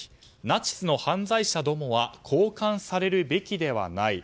ナチスの犯罪者どもは交換されるべきではない。